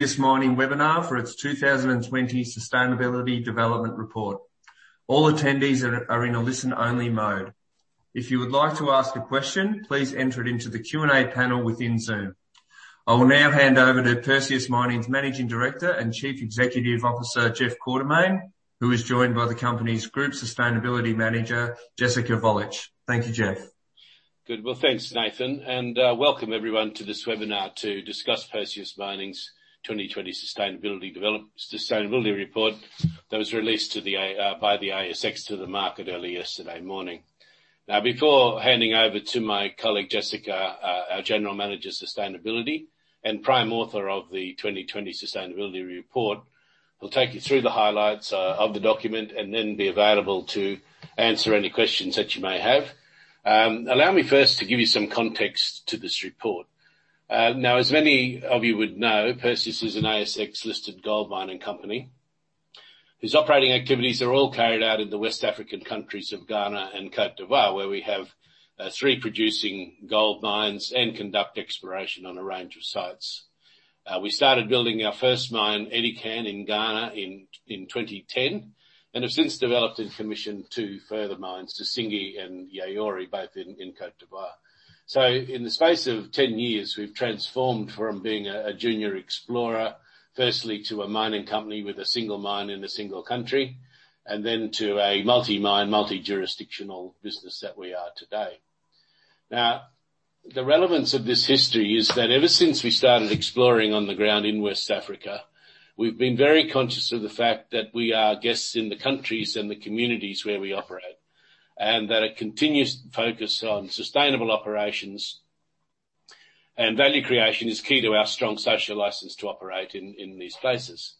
this mining webinar for its 2020 sustainability development report. All attendees are in a listen-only mode. If you would like to ask a question, please enter it into the Q&A panel within Zoom. I will now hand over to Perseus Mining's Managing Director and Chief Executive Officer, Jeff Quartermaine, who is joined by the company's Group General Manager of Sustainability, Jessica Volich. Thank you, Jeff. Good. Well, thanks, Nathan, and welcome everyone to this webinar to discuss Perseus Mining's 2020 sustainability report that was released by the ASX to the market early yesterday morning. Before handing over to my colleague, Jessica, our General Manager of Sustainability and prime author of the 2020 sustainability report, I will take you through the highlights of the document and then be available to answer any questions that you may have. Allow me first to give you some context to this report. As many of you would know, Perseus is an ASX-listed gold mining company, whose operating activities are all carried out in the West African countries of Ghana and Côte d'Ivoire, where we have three producing gold mines and conduct exploration on a range of sites. We started building our first mine, Edikan, in Ghana in 2010 and have since developed and commissioned two further mines, Nsuisi and Yaouré, both in Côte d'Ivoire. In the space of 10 years, we've transformed from being a junior explorer firstly to a mining company with a single mine in a single country, and then to a multi-mine, multi-jurisdictional business that we are today. The relevance of this history is that ever since we started exploring on the ground in West Africa, we've been very conscious of the fact that we are guests in the countries and the communities where we operate, and that a continuous focus on sustainable operations and value creation is key to our strong social license to operate in these places.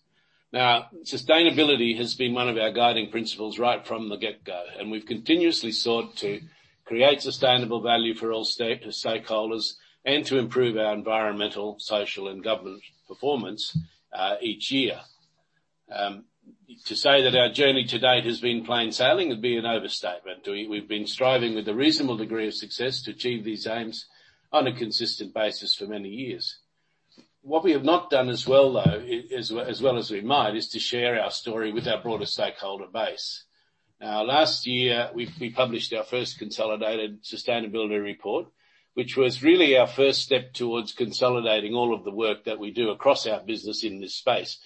Now, sustainability has been one of our guiding principles right from the get-go, and we've continuously sought to create sustainable value for all stakeholders and to improve our environmental, social, and governance performance each year. To say that our journey to date has been plain sailing would be an overstatement. We've been striving with a reasonable degree of success to achieve these aims on a consistent basis for many years. What we have not done as well, though, as well as we might, is to share our story with our broader stakeholder base. Now, last year, we published our first consolidated sustainability report, which was really our first step towards consolidating all of the work that we do across our business in this space.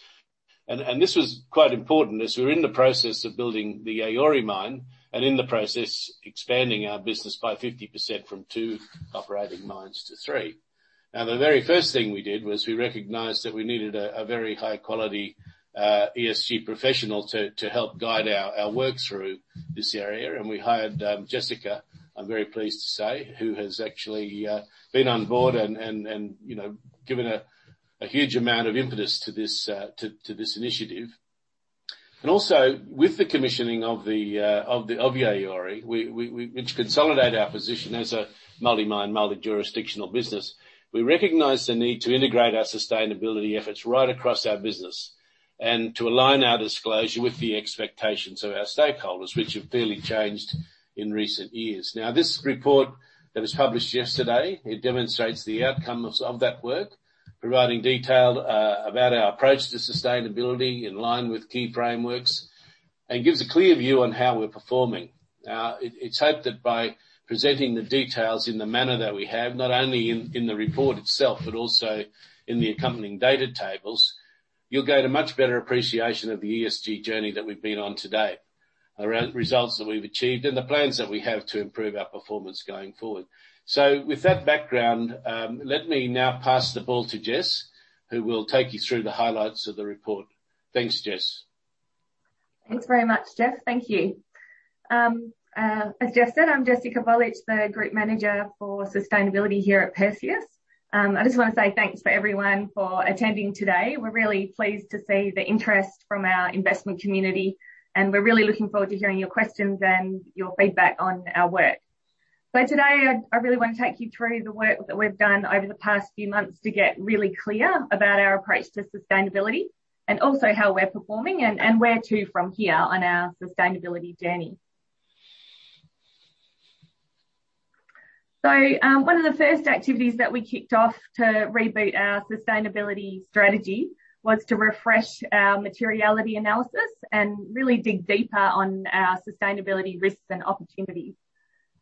This was quite important as we were in the process of building the Yaouré mine and in the process expanding our business by 50% from two operating mines to three. The very first thing we did was we recognized that we needed a very high-quality ESG professional to help guide our work through this area, and we hired Jessica, I'm very pleased to say, who has actually been on board and given a huge amount of impetus to this initiative. Also, with the commissioning of Yaouré, which consolidated our position as a multi-mine, multi-jurisdictional business, we recognized the need to integrate our sustainability efforts right across our business and to align our disclosure with the expectations of our stakeholders, which have clearly changed in recent years. This report that was published yesterday, it demonstrates the outcomes of that work, providing detail about our approach to sustainability in line with key frameworks and gives a clear view on how we're performing. It's hoped that by presenting the details in the manner that we have, not only in the report itself, but also in the accompanying data tables, you'll gain a much better appreciation of the ESG journey that we've been on to date, around results that we've achieved and the plans that we have to improve our performance going forward. With that background, let me now pass the ball to Jess, who will take you through the highlights of the report. Thanks, Jess. Thanks very much, Jeff. Thank you. As Jeff said, I'm Jessica Volich, the Group Manager for Sustainability here at Perseus. I just want to say thanks for everyone for attending today. We're really pleased to see the interest from our investment community. We're really looking forward to hearing your questions and your feedback on our work. Today, I really want to take you through the work that we've done over the past few months to get really clear about our approach to sustainability and also how we're performing and where to from here on our sustainability journey. One of the first activities that we kicked off to reboot our sustainability strategy was to refresh our materiality analysis and really dig deeper on our sustainability risks and opportunities.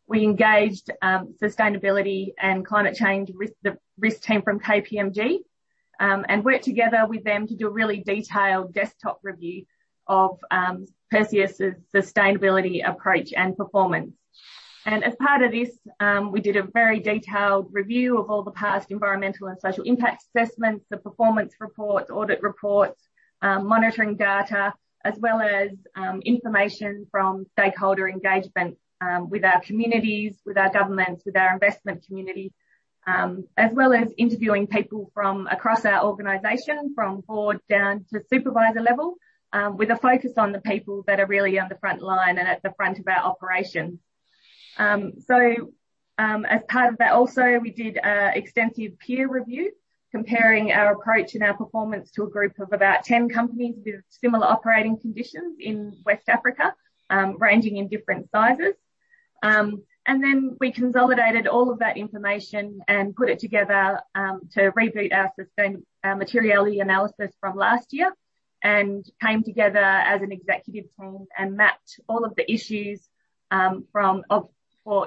We engaged sustainability and climate change risk team from KPMG, and worked together with them to do a really detailed desktop review of Perseus's sustainability approach and performance. As part of this, we did a very detailed review of all the past environmental and social impact assessments, the performance reports, audit reports, monitoring data, as well as information from stakeholder engagement with our communities, with our governments, with our investment community, as well as interviewing people from across our organization, from board down to supervisor level, with a focus on the people that are really on the front line and at the front of our operations. As part of that also, we did extensive peer review, comparing our approach and our performance to a group of about 10 companies with similar operating conditions in West Africa, ranging in different sizes. Then we consolidated all of that information and put it together to reboot our materiality analysis from last year and came together as an executive team and mapped all of the issues of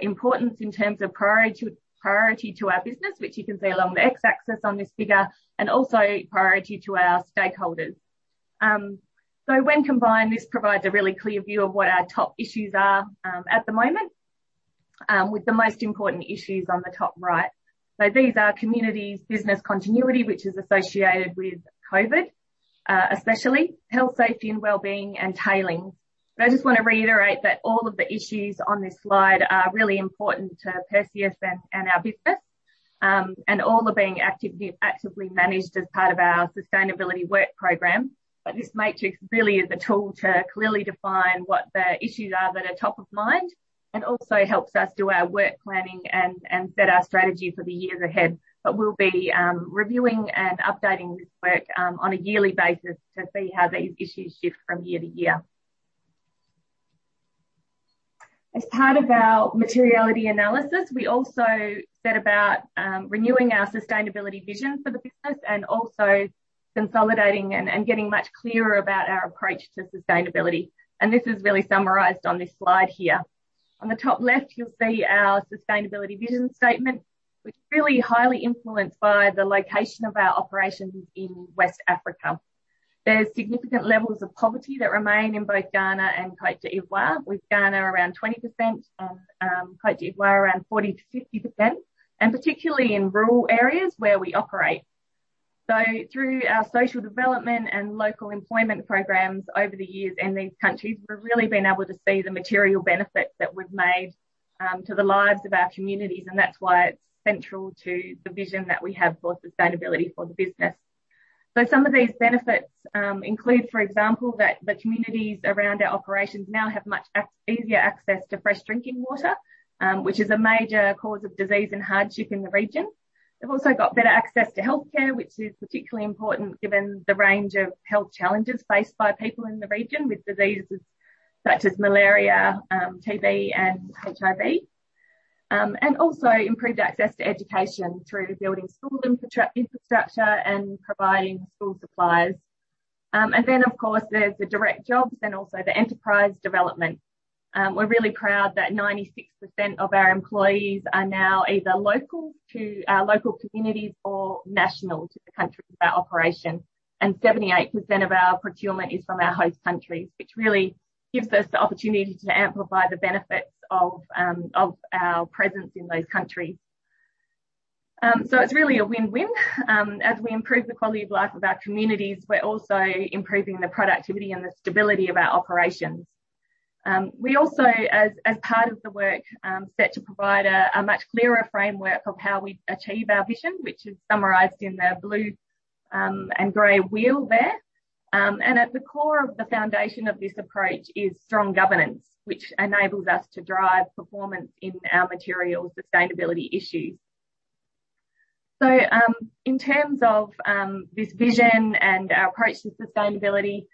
importance in terms of priority to our business, which you can see along the X-axis on this figure, and also priority to our stakeholders. When combined, this provides a really clear view of what our top issues are at the moment, with the most important issues on the top right. These are communities, business continuity, which is associated with COVID especially, health safety and wellbeing, and tailings. I just want to reiterate that all of the issues on this slide are really important to Perseus and our business, and all are being actively managed as part of our sustainability work program. This matrix really is a tool to clearly define what the issues are that are top of mind, and also helps us do our work planning and set our strategy for the years ahead. We'll be reviewing and updating this work on a yearly basis to see how these issues shift from year to year. As part of our materiality analysis, we also set about renewing our sustainability vision for the business and also consolidating and getting much clearer about our approach to sustainability. This is really summarized on this slide here. On the top left, you'll see our sustainability vision statement, which is really highly influenced by the location of our operations in West Africa. There's significant levels of poverty that remain in both Ghana and Côte d'Ivoire, with Ghana around 20% and Côte d'Ivoire around 40%-50%, and particularly in rural areas where we operate. Through our social development and local employment programs over the years in these countries, we've really been able to see the material benefits that we've made to the lives of our communities, and that's why it's central to the vision that we have for sustainability for the business. Some of these benefits include, for example, that the communities around our operations now have much easier access to fresh drinking water, which is a major cause of disease and hardship in the region. They've also got better access to healthcare, which is particularly important given the range of health challenges faced by people in the region with diseases such as malaria, TB, and HIV. Also improved access to education through building school infrastructure and providing school supplies. Then, of course, there's the direct jobs and also the enterprise development. We're really proud that 96% of our employees are now either local to our local communities or national to the countries of our operation. 78% of our procurement is from our host countries, which really gives us the opportunity to amplify the benefits of our presence in those countries. It's really a win-win. As we improve the quality of life of our communities, we're also improving the productivity and the stability of our operations. We also, as part of the work, set to provide a much clearer framework of how we achieve our vision, which is summarized in the blue and gray wheel there. At the core of the foundation of this approach is strong governance, which enables us to drive performance in our material sustainability issues. In terms of this vision and our approach to sustainability,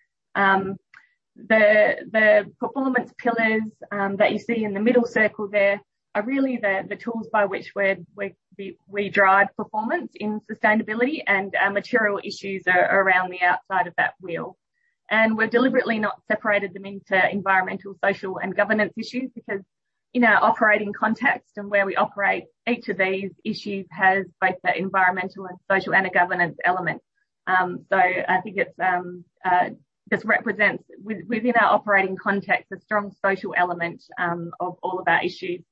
the performance pillars that you see in the middle circle there are really the tools by which we drive performance in sustainability and our material issues are around the outside of that wheel. We've deliberately not separated them into environmental, social, and governance issues because in our operating context and where we operate, each of these issues has both an environmental and social and a governance element. I think this represents, within our operating context, a strong social element of all of our issues,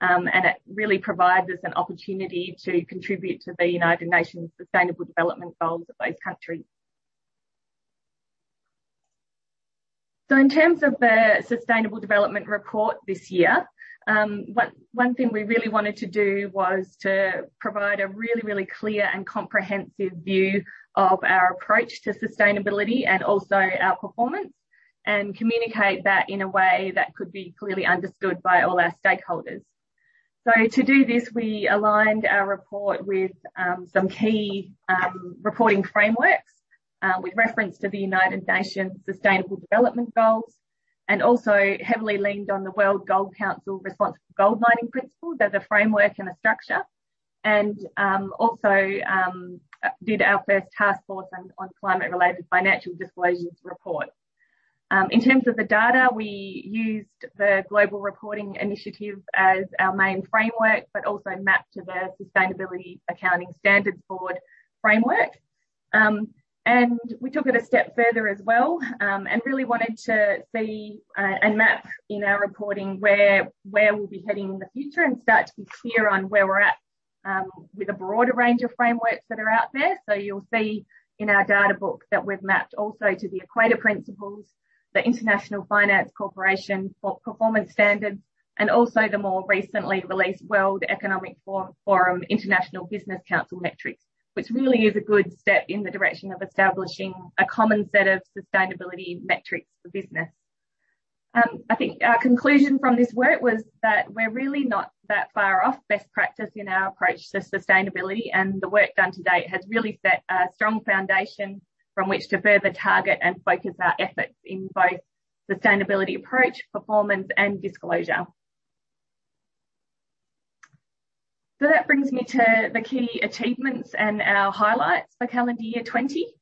and it really provides us an opportunity to contribute to the United Nations Sustainable Development Goals of those countries. In terms of the sustainable development report this year, one thing we really wanted to do was to provide a really clear and comprehensive view of our approach to sustainability and also our performance, and communicate that in a way that could be clearly understood by all our stakeholders. To do this, we aligned our report with some key reporting frameworks with reference to the United Nations Sustainable Development Goals and also heavily leaned on the World Gold Council Responsible Gold Mining Principles as a framework and a structure, and also did our first Task Force on Climate-related Financial Disclosures report. In terms of the data, we used the Global Reporting Initiative as our main framework, but also mapped to the Sustainability Accounting Standards Board framework. We took it a step further as well and really wanted to see and map in our reporting where we'll be heading in the future and start to be clear on where we're at with a broader range of frameworks that are out there. You'll see in our data book that we've mapped also to the Equator Principles, the International Finance Corporation Performance Standards, and also the more recently released World Economic Forum International Business Council metrics, which really is a good step in the direction of establishing a common set of sustainability metrics for business. I think our conclusion from this work was that we're really not that far off best practice in our approach to sustainability, and the work done to date has really set a strong foundation from which to further target and focus our efforts in both sustainability approach, performance, and disclosure. That brings me to the key achievements and our highlights for calendar year 2020.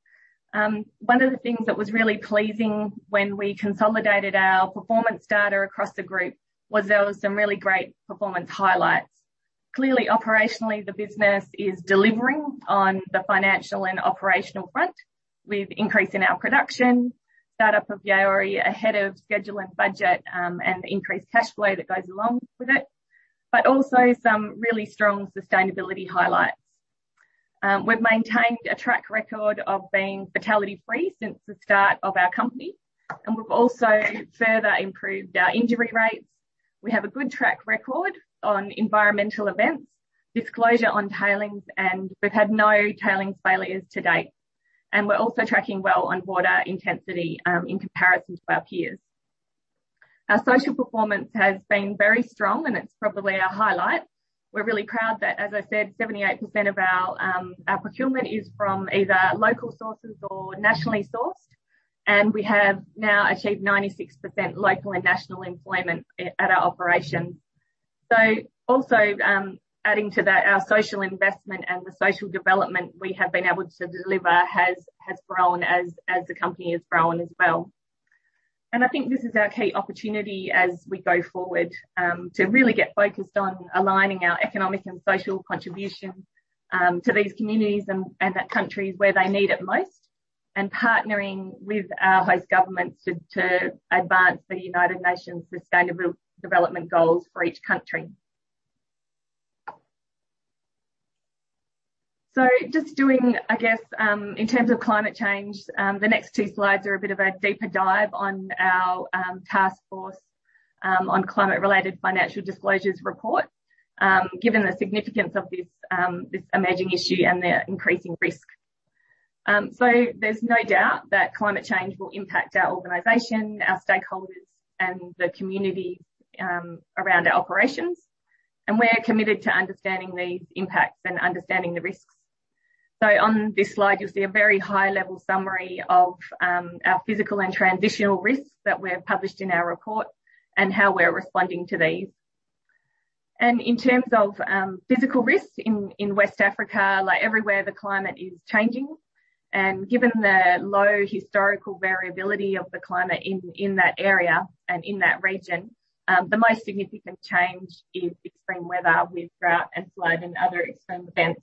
One of the things that was really pleasing when we consolidated our performance data across the group was there was some really great performance highlights. Clearly, operationally, the business is delivering on the financial and operational front with increase in our production, startup of Yaouré ahead of schedule and budget, and the increased cash flow that goes along with it, but also some really strong sustainability highlights. We've maintained a track record of being fatality-free since the start of our company, and we've also further improved our injury rates. We have a good track record on environmental events, disclosure on tailings, and we've had no tailings failures to date. We're also tracking well on water intensity in comparison to our peers. Our social performance has been very strong, and it's probably a highlight. We're really proud that, as I said, 78% of our procurement is from either local sources or nationally sourced, and we have now achieved 96% local and national employment at our operations. Also, adding to that, our social investment and the social development we have been able to deliver has grown as the company has grown as well. I think this is our key opportunity as we go forward, to really get focused on aligning our economic and social contribution to these communities and the countries where they need it most and partnering with our host governments to advance the United Nations Sustainable Development Goals for each country. Just doing, I guess, in terms of climate change, the next two slides are a bit of a deeper dive on our Task Force on Climate-related Financial Disclosures report, given the significance of this emerging issue and the increasing risk. There's no doubt that climate change will impact our organization, our stakeholders, and the communities around our operations, and we're committed to understanding these impacts and understanding the risks. On this slide, you'll see a very high-level summary of our physical and transitional risks that we've published in our report and how we're responding to these. In terms of physical risks in West Africa, like everywhere, the climate is changing. Given the low historical variability of the climate in that area and in that region, the most significant change is extreme weather with drought and flood and other extreme events.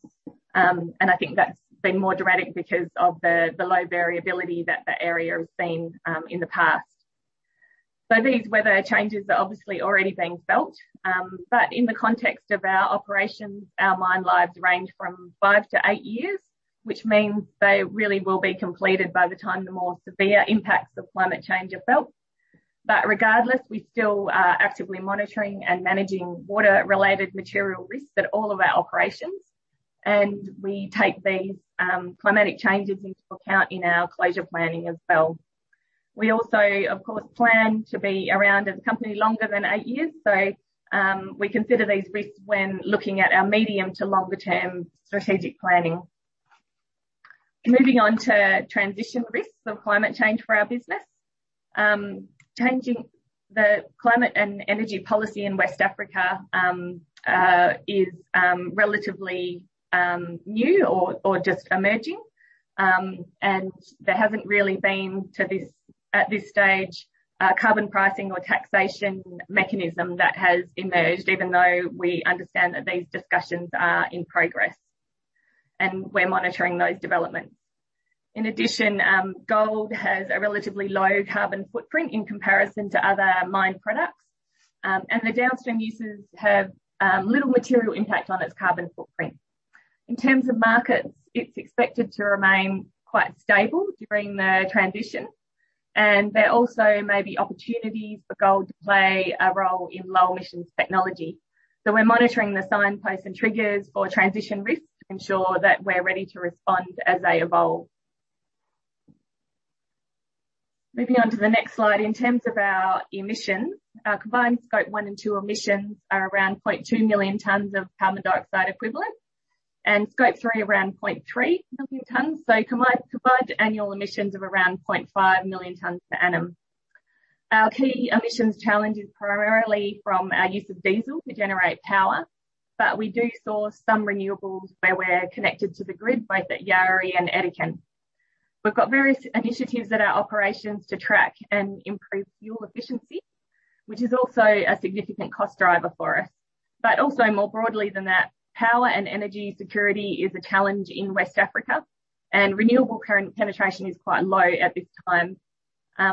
I think that's been more dramatic because of the low variability that the area has seen in the past. These weather changes are obviously already being felt. In the context of our operations, our mine lives range from five to eight years, which means they really will be completed by the time the more severe impacts of climate change are felt. Regardless, we still are actively monitoring and managing water-related material risks at all of our operations, and we take these climatic changes into account in our closure planning as well. We also, of course, plan to be around as a company longer than eight years, so we consider these risks when looking at our medium to longer term strategic planning. Moving on to transition risks of climate change for our business. Changing the climate and energy policy in West Africa is relatively new or just emerging. There hasn't really been, at this stage, a carbon pricing or taxation mechanism that has emerged, even though we understand that these discussions are in progress, and we're monitoring those developments. In addition, gold has a relatively low carbon footprint in comparison to other mined products. The downstream uses have little material impact on its carbon footprint. In terms of markets, it's expected to remain quite stable during the transition, and there also may be opportunities for gold to play a role in low emissions technology. We're monitoring the signposts and triggers for transition risks to ensure that we're ready to respond as they evolve. Moving on to the next slide. In terms of our emissions, our combined Scope 1 and 2 emissions are around 0.2 million tonnes of carbon dioxide equivalent, and Scope 3 around 0.3 million tonnes, combined annual emissions of around 0.5 million tonnes per annum. Our key emissions challenge is primarily from our use of diesel to generate power, we do source some renewables where we're connected to the grid, both at Yaouré and Edikan. We've got various initiatives at our operations to track and improve fuel efficiency, which is also a significant cost driver for us. Also more broadly than that, power and energy security is a challenge in West Africa, renewable penetration is quite low at this time.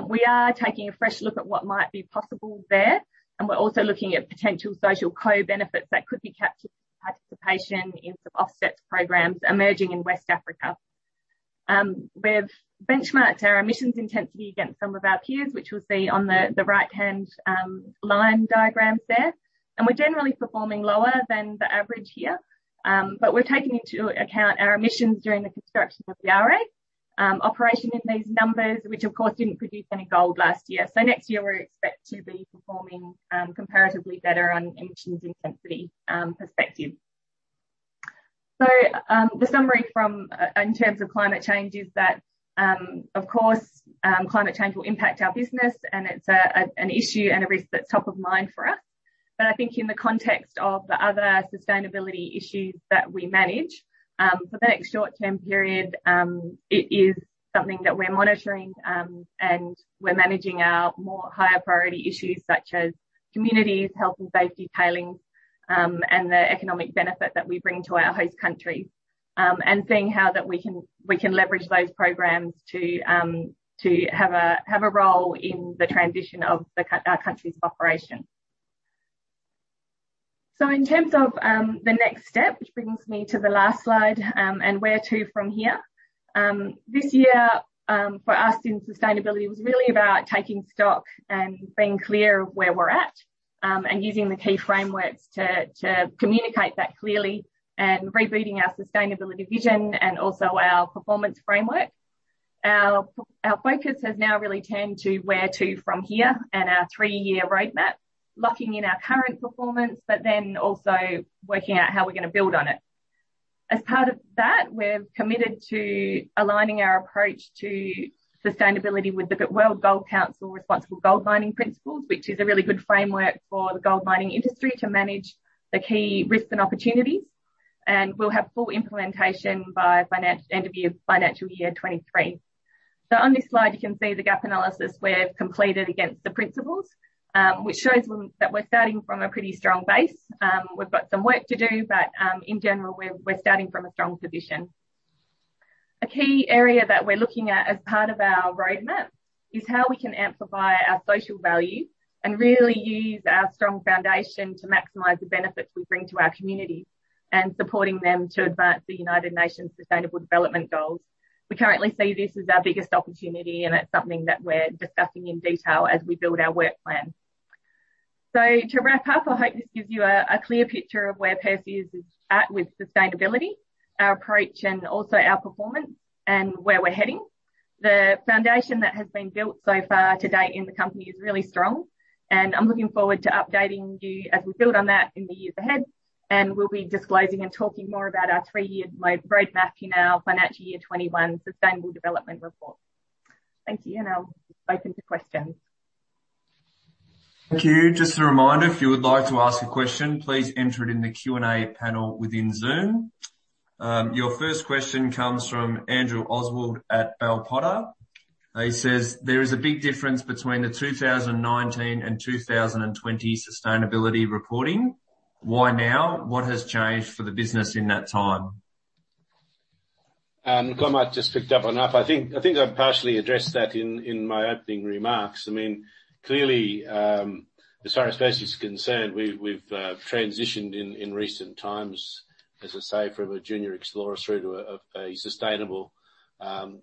We are taking a fresh look at what might be possible there, and we're also looking at potential social co-benefits that could be captured through participation in some offsets programs emerging in West Africa. We've benchmarked our emissions intensity against some of our peers, which you'll see on the right-hand line diagrams there. We're generally performing lower than the average here. We're taking into account our emissions during the construction of Yaouré operation in these numbers, which of course, didn't produce any gold last year. Next year, we expect to be performing comparatively better on an emissions intensity perspective. The summary in terms of climate change is that, of course, climate change will impact our business, and it's an issue and a risk that's top of mind for us. I think in the context of the other sustainability issues that we manage, for the next short-term period, it is something that we're monitoring and we're managing our more higher priority issues, such as communities, health and safety, tailings, and the economic benefit that we bring to our host countries. Seeing how we can leverage those programs to have a role in the transition of our countries of operation. In terms of the next step, which brings me to the last slide, where to from here? This year for us in sustainability was really about taking stock and being clear of where we're at, and using the key frameworks to communicate that clearly, and rebooting our sustainability vision and also our performance framework. Our focus has now really turned to where to from here and our three-year roadmap, locking in our current performance, but then also working out how we're going to build on it. As part of that, we're committed to aligning our approach to sustainability with the World Gold Council Responsible Gold Mining Principles, which is a really good framework for the gold mining industry to manage the key risks and opportunities. We'll have full implementation by end of FY 2023. On this slide, you can see the gap analysis we've completed against the Principles, which shows that we're starting from a pretty strong base. We've got some work to do, in general, we're starting from a strong position. A key area that we're looking at as part of our roadmap is how we can amplify our social value and really use our strong foundation to maximize the benefits we bring to our community and supporting them to advance the United Nations Sustainable Development Goals. We currently see this as our biggest opportunity, and it's something that we're discussing in detail as we build our work plan. To wrap up, I hope this gives you a clear picture of where Perseus is at with sustainability, our approach, and also our performance, and where we're heading. The foundation that has been built so far to date in the company is really strong, and I'm looking forward to updating you as we build on that in the years ahead, and we'll be disclosing and talking more about our three-year roadmap in our financial year 2021 sustainable development report. Thank you, and I'll open to questions. Thank you. Just a reminder, if you would like to ask a question, please enter it in the Q&A panel within Zoom. Your first question comes from Andrew Oswald at Bell Potter. He says, "There is a big difference between the 2019 and 2020 sustainability reporting. Why now? What has changed for the business in that time? I might just pick that one up. I think I partially addressed that in my opening remarks. Clearly, as far as Perseus is concerned, we've transitioned in recent times, as I say, from a junior explorer through to a sustainable,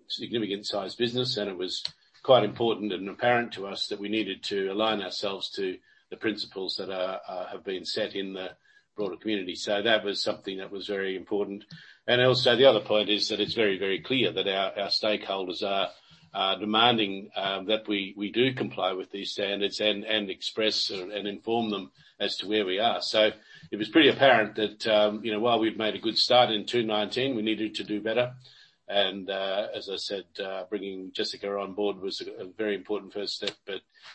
significant-sized business, and it was quite important and apparent to us that we needed to align ourselves to the principles that have been set in the broader community. That was something that was very important. The other point is that it's very, very clear that our stakeholders are demanding that we do comply with these standards and express and inform them as to where we are. It was pretty apparent that while we've made a good start in 2019, we needed to do better. As I said, bringing Jessica on board was a very important first step.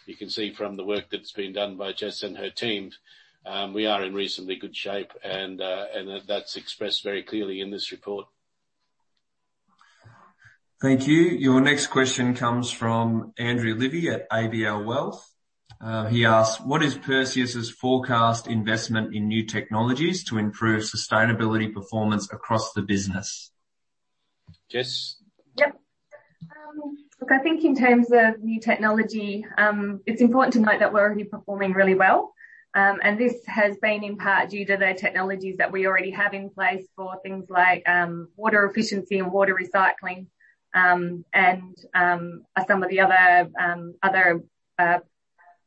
You can see from the work that's been done by Jess and her team, we are in reasonably good shape, and that's expressed very clearly in this report. Thank you. Your next question comes from Andrew Livie at ABL Wealth. He asks, "What is Perseus's forecast investment in new technologies to improve sustainability performance across the business? Jess? Yep. Look, I think in terms of new technology, it's important to note that we're already performing really well, this has been in part due to the technologies that we already have in place for things like water efficiency and water recycling. Some of the other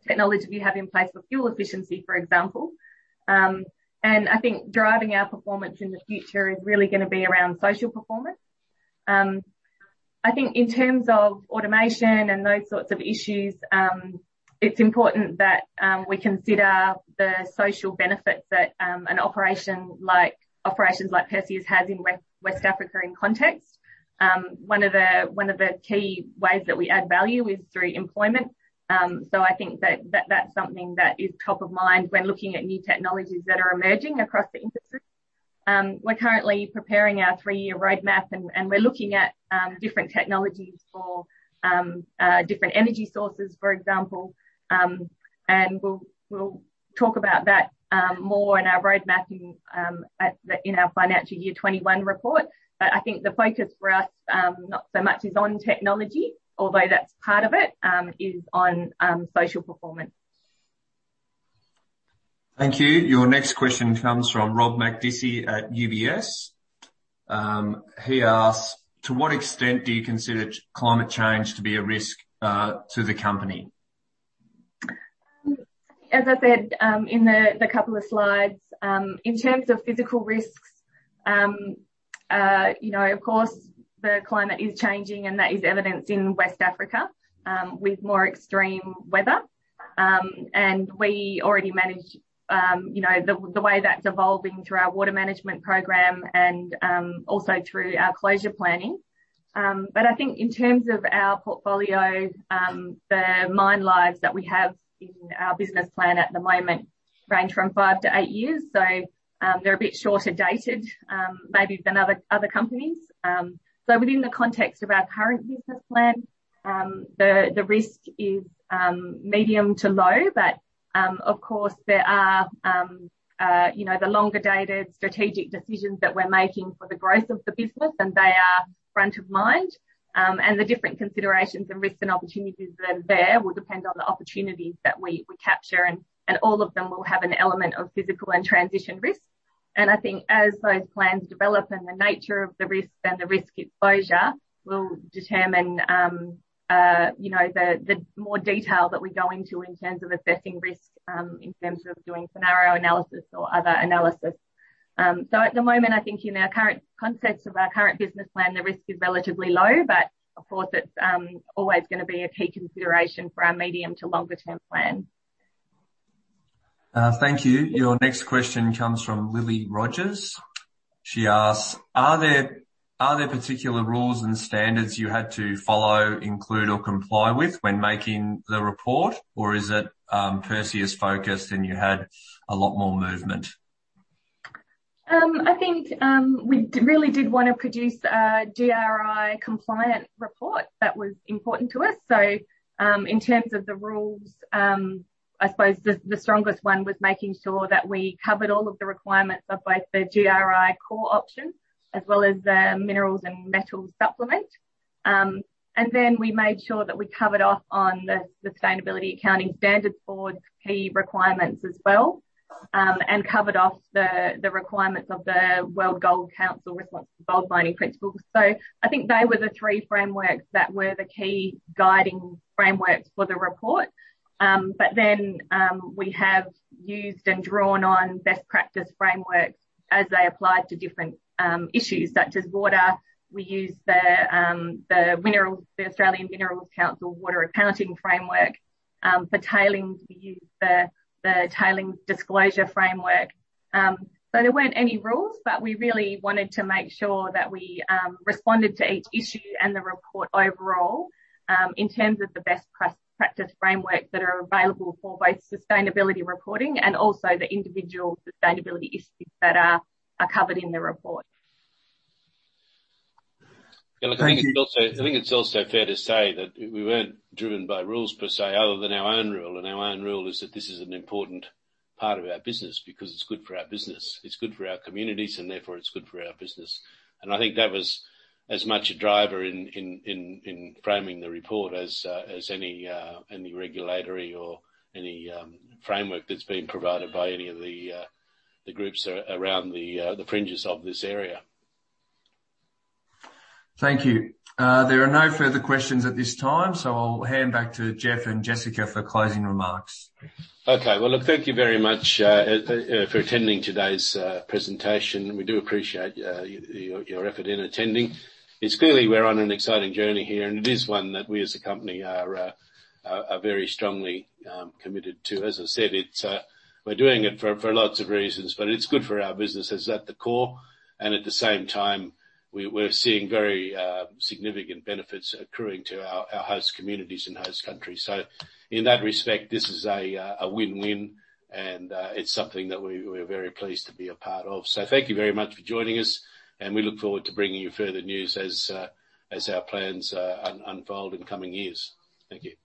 technology we have in place for fuel efficiency, for example. I think driving our performance in the future is really going to be around social performance. I think in terms of automation and those sorts of issues, it's important that we consider the social benefits that operations like Perseus has in West Africa in context. One of the key ways that we add value is through employment. I think that that's something that is top of mind when looking at new technologies that are emerging across the industry. We're currently preparing our three-year roadmap, we're looking at different technologies for different energy sources, for example. We'll talk about that more in our road mapping in our financial year 2021 report. I think the focus for us, not so much is on technology, although that's part of it, is on social performance. Thank you. Your next question comes from Robert Makdissi at UBS. He asks, "To what extent do you consider climate change to be a risk to the company? As I said in the couple of slides, in terms of physical risks. Of course, the climate is changing, and that is evidenced in West Africa with more extreme weather. We already manage the way that's evolving through our water management program and also through our closure planning. I think in terms of our portfolio, the mine lives that we have in our business plan at the moment range from five-eight years, so they're a bit shorter-dated, maybe, than other companies. Within the context of our current business plan, the risk is medium to low. Of course, there are the longer-dated strategic decisions that we're making for the growth of the business, and they are front of mind. The different considerations and risks and opportunities that are there will depend on the opportunities that we capture, and all of them will have an element of physical and transition risk. I think as those plans develop and the nature of the risk and the risk exposure will determine the more detail that we go into in terms of assessing risk, in terms of doing scenario analysis or other analysis. At the moment, I think in the current context of our current business plan, the risk is relatively low, but of course, it's always going to be a key consideration for our medium to longer term plan. Thank you. Your next question comes from Lily Rogers. She asks, "Are there particular rules and standards you had to follow, include or comply with when making the report? Or is it Perseus focused and you had a lot more movement? I think we really did want to produce a GRI compliant report. That was important to us. In terms of the rules, I suppose the strongest one was making sure that we covered all of the requirements of both the GRI core options as well as the minerals and metals supplement. We made sure that we covered off on the Sustainability Accounting Standards Board key requirements as well, and covered off the requirements of the World Gold Council Responsible Gold Mining Principles. I think they were the three frameworks that were the key guiding frameworks for the report. We have used and drawn on best practice frameworks as they applied to different issues, such as water. We use the Minerals Council of Australia water accounting framework. For tailings, we use the tailings disclosure framework. There weren't any rules, but we really wanted to make sure that we responded to each issue and the report overall, in terms of the best practice frameworks that are available for both sustainability reporting and also the individual sustainability issues that are covered in the report. Thank you. I think it's also fair to say that we weren't driven by rules per se, other than our own rule, and our own rule is that this is an important part of our business because it's good for our business. It's good for our communities, and therefore it's good for our business. I think that was as much a driver in framing the report as any regulatory or any framework that's been provided by any of the groups around the fringes of this area. Thank you. There are no further questions at this time, so I'll hand back to Jeff and Jessica for closing remarks. Okay. Well, look, thank you very much for attending today's presentation. We do appreciate your effort in attending. It's clearly we're on an exciting journey here, and it is one that we, as a company, are very strongly committed to. As I said, we're doing it for lots of reasons, but it's good for our business. It's at the core, and at the same time, we're seeing very significant benefits accruing to our host communities and host countries. In that respect, this is a win-win and it's something that we're very pleased to be a part of. Thank you very much for joining us and we look forward to bringing you further news as our plans unfold in the coming years. Thank you.